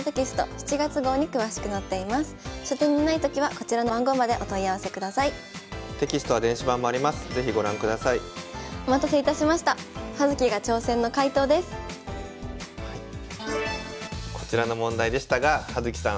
こちらの問題でしたが葉月さん